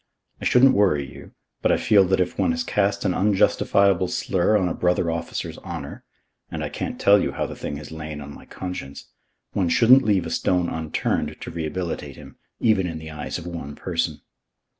I shouldn't worry you, but I feel that if one has cast an unjustifiable slur on a brother officer's honour and I can't tell you how the thing has lain on my conscience one shouldn't leave a stone unturned to rehabilitate him, even in the eyes of one person.